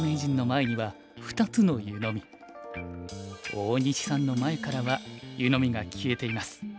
大西さんの前からは湯飲みが消えています。